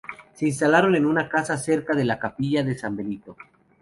Se instalaron en una casa cerca de la capilla de San Benito.